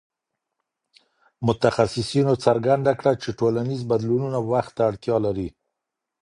متخصصينو څرګنده کړه چي ټولنيز بدلونونه وخت ته اړتيا لري.